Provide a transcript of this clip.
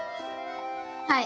はい。